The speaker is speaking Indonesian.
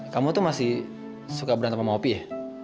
kamu tuh masih suka berantem sama kopi ya